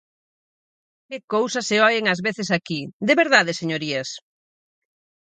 ¡Que cousas se oen ás veces aquí!, ¿de verdade, señorías?